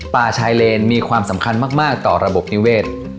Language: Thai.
ป่าชายเลนมีความสำคัญมากต่อระบบนิเวศ